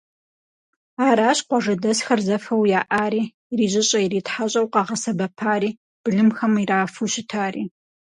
Аращ къуажэдэсхэр зэфэу яӏари, ирижьыщӏэ-иритхьэщӏэу къагъэсэбэпари, былымхэм ирафу щытари.